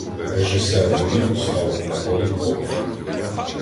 Режисером кліпу став Анатолій Попель.